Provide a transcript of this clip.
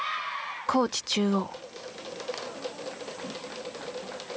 高知中央。